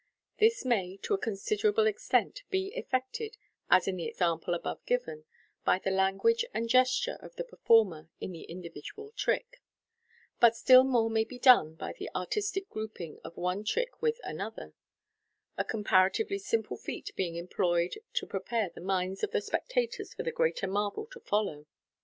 This may, to a considerable extent, be effected, as in the example above given, by the language and gesture of the performer in the individual trick j but still more may be done by the artistic grouping of one trick with anothet, a comparatively simple feat being employed to prepare the minds of the spectators for the greater marvel to follow.